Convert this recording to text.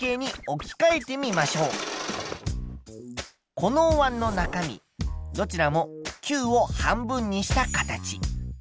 このおわんの中身どちらも球を半分にした形。